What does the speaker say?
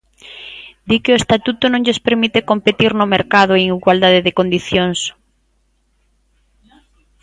Di que o estatuto non lles permite competir no mercado en igualdade de condicións.